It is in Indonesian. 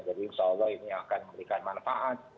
jadi insya allah ini akan memberikan manfaat